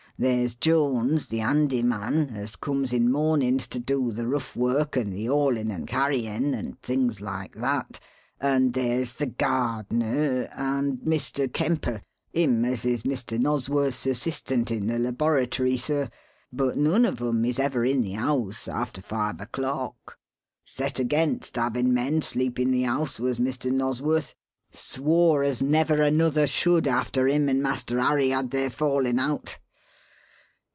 There's Jones the handy man as comes in mornin's to do the rough work and the haulin' and carryin' and things like that; and there's the gardener and Mr. Kemper him as is Mr. Nosworth's assistant in the laboratory, sir but none of 'em is ever in the house after five o'clock. Set against havin' men sleep in the house was Mr. Nosworth swore as never another should after him and Master Harry had their fallin' out.